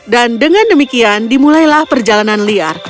dan dengan demikian dimulailah perjalanan liar